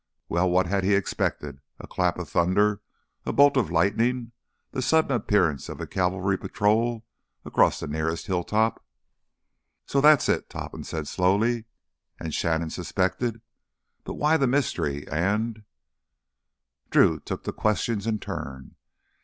Well, what had he expected—a clap of thunder, a bolt of lightning, the sudden appearance of a cavalry patrol across the nearest hilltop? "So that's it!" Topham said slowly. "And Shannon suspected? But why the mystery? And——" Drew took the questions in turn.